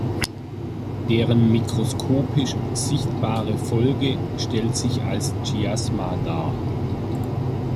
Deren mikroskopisch sichtbare Folge stellt sich als Chiasma dar.